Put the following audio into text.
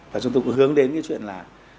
và chúng tôi cũng hướng đến cái chuyện là